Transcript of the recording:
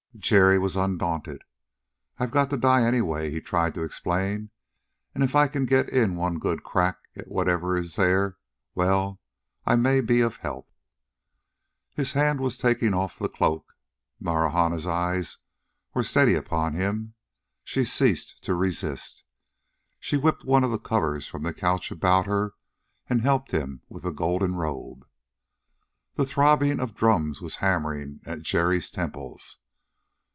Jerry was undaunted. "I've got to die anyway," he tried to explain, "and if I can get in one good crack at whatever is there well, I may be of help." His hand was taking off the cloak. Marahna's eyes were steady upon him. She ceased to resist. She whipped one of the covers from the couch about her and helped him with the golden robe. The throbbing of drums was hammering at Jerry's temples.